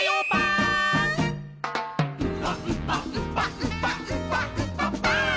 「ンパンパンパンパンパンパ・パン」